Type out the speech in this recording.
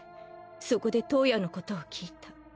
そこで燈矢のことを聞いた。